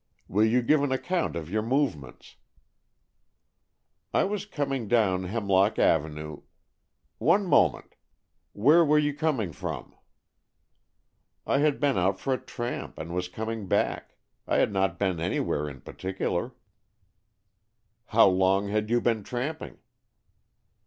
"Will you give an account of your movements?" "I was coming down Hemlock Avenue " "One moment. Where were you coming from?" "I had been out for a tramp and was coming back. I had not been anywhere in particular." "How long had you been tramping?"